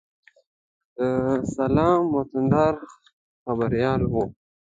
د سلام وطندار خبریال و.